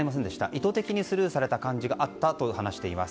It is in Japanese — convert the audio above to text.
意図的にスルーされた感じがあったと話しています。